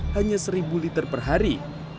hanya seribu liter per hari